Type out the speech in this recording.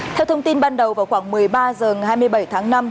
theo thông tin ban đầu vào khoảng một mươi ba h ngày hai mươi bảy tháng năm